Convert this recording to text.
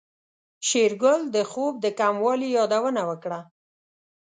شېرګل د خوب د کموالي يادونه وکړه.